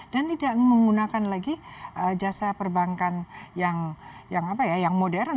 dan tidak menggunakan lagi jasa perbankan yang modern